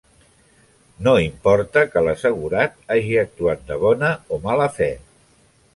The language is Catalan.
No importa que l'assegurat hagi actuat de bona o mala fe.